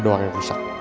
doang yang rusak